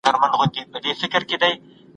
دا موضوع په ټولنه کې پېژندل شوې ده.